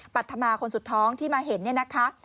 ปัจธมาคนสุดท้องที่มาเห็น